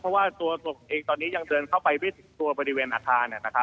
เพราะว่าตัวผมเองตอนนี้ยังเดินเข้าไปไม่ถึงตัวบริเวณอาคาร